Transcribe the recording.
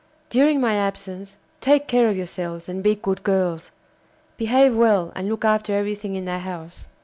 During my absence take care of yourselves and be good girls; behave well and look after everything in the house.